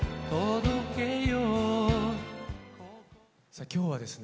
さあ今日はですね